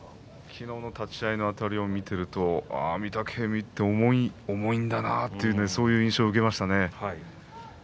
昨日の立ち合いのあたりを見ているとああ、御嶽海って重いんだなってそういう印象を受けましたね。